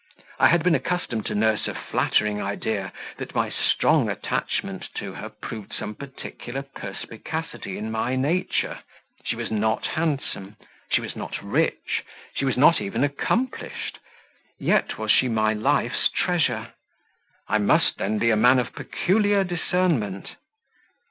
I had been accustomed to nurse a flattering idea that my strong attachment to her proved some particular perspicacity in my nature; she was not handsome, she was not rich, she was not even accomplished, yet was she my life's treasure; I must then be a man of peculiar discernment.